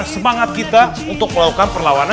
semangat kita untuk melakukan perlawanan